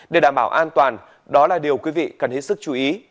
để đảm bảo an toàn đó là điều quý vị cần hết sức chú ý